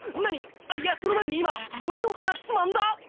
いやその前に今俺の鼻つまんだ？